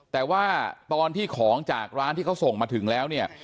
แต่ว่าตอนที่ของจากร้านที่เขาส่งมาถึงแล้วเนี่ย